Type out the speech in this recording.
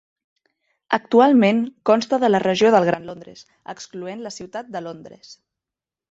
Actualment consta de la regió del Gran Londres, excloent la Ciutat de Londres.